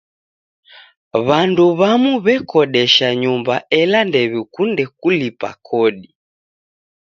W'andu w'amu w'ekodesha nyumba ela ndew'ikunde kulipa kodi.